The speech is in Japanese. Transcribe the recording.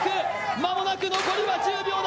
間もなく残りは１０秒だ。